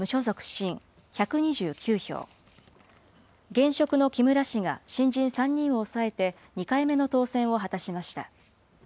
現職の木村氏が、新人３人を抑えて２回目の当選を果たしました。